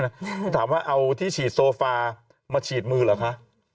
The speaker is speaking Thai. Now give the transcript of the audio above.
แล้วถามว่าเอาที่ฉีดโซฟามาฉีดมือเหรอคะ